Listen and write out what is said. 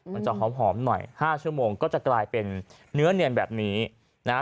มันจะหอมหน่อย๕ชั่วโมงก็จะกลายเป็นเนื้อเนียนแบบนี้นะฮะ